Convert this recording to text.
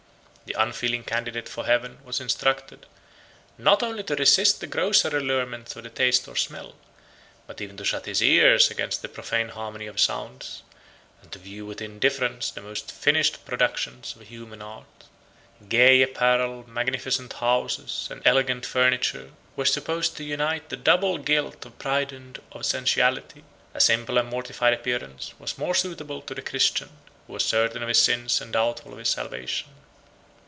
The unfeeling candidate for heaven was instructed, not only to resist the grosser allurements of the taste or smell, but even to shut his ears against the profane harmony of sounds, and to view with indifference the most finished productions of human art. Gay apparel, magnificent houses, and elegant furniture, were supposed to unite the double guilt of pride and of sensuality; a simple and mortified appearance was more suitable to the Christian who was certain of his sins and doubtful of his salvation.